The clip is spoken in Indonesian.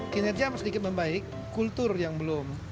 kinerja sedikit membaik kultur yang belum